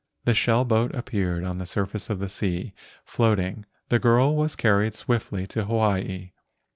The shell boat appeared on the surface of the sea, floating. The girl was carried swiftly to Hawaii.